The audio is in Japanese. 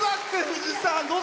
藤さん。